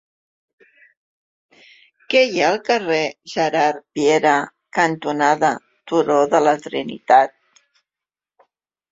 Què hi ha al carrer Gerard Piera cantonada Turó de la Trinitat?